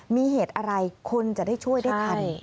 มีเหตุอะไรคนจะได้ช่วยได้ทัน